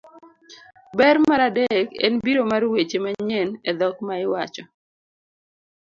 Ber mar adek en biro mar weche manyien e dhok ma iwacho,